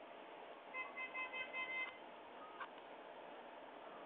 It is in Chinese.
德皇巴巴罗萨号战列舰是德意志帝国的一艘德皇腓特烈三世级前无畏战列舰。